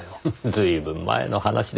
随分前の話です。